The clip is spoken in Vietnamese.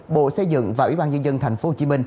bộ xây dựng và ủy ban nhân dân tp hcm